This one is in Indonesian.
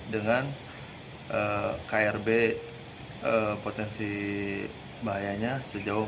dengan krb potensi bahayanya sejauh empat km